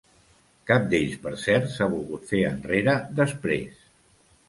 Cap d’ells, per cert, s’ha volgut fer enrere després.